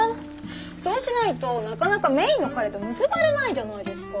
そうしないとなかなかメーンの彼と結ばれないじゃないですか。